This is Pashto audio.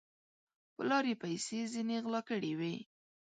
پر لار یې پیسې ځیني غلا کړي وې